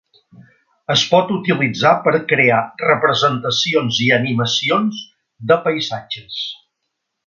Es pot utilitzar per crear representacions i animacions de paisatges.